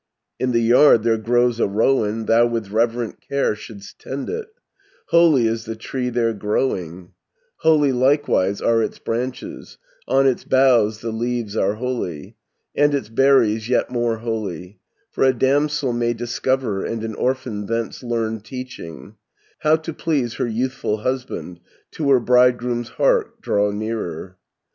220 "In the yard there grows a rowan, Thou with reverent care should'st tend it, Holy is the tree there growing, Holy likewise are its branches, On its boughs the leaves are holy, And its berries yet more holy, For a damsel may discover, And an orphan thence learn teaching, How to please her youthful husband, To her bridegroom's heart draw nearer.